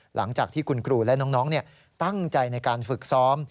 หลังจากที่คุณครูและน้องตั้งใจในการฝึกซ้อม